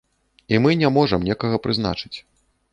І мы не можам некага прызначыць.